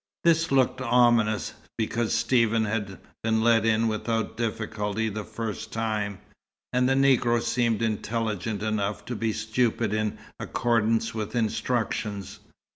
This looked ominous, because Stephen had been let in without difficulty the first time; and the Negro seemed intelligent enough to be stupid in accordance with instructions.